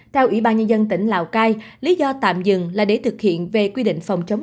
theo ủy ban nhân dân tỉnh lào cai lý do tạm dừng là để thực hiện về quy định phòng chống